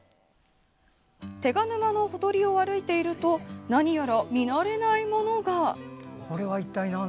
手賀沼のほとりを歩いていると何やら見慣れないものが。